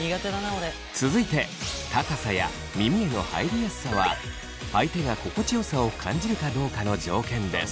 続いて高さや耳への入りやすさは相手が心地よさを感じるかどうかの条件です。